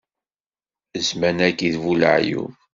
Zzman-agi d bu leɛyub